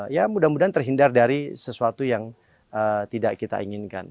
ya mudah mudahan terhindar dari sesuatu yang tidak kita inginkan